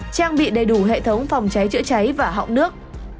trang bị đầy đủ hệ thống phòng cháy chữa cháy và họng nước